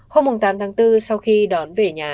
hôm tám tháng bốn sau khi đón về nhà